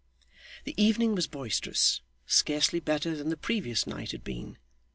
The evening was boisterous scarcely better than the previous night had been.